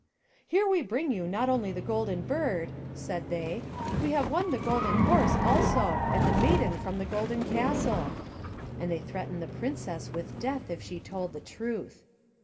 "Here we bring you not only the Golden Bird," said they, "we have won the Golden Horse also, and the maiden from the Golden Castle." And they threatened the Princess with death if she told the truth.